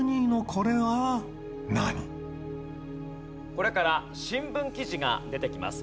これから新聞記事が出てきます。